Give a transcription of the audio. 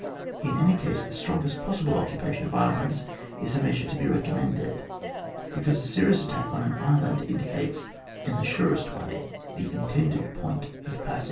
In any case the strongest possible occupation of islands is a measure to be recommended, because a serious attack on an island indicates in the surest way the intended point of passage.